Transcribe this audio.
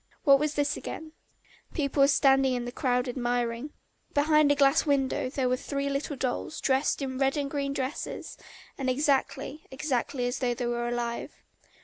What was this again? People were standing in a crowd admiring. Behind a glass window there were three little dolls, dressed in red and green dresses, and exactly, exactly as though they were alive.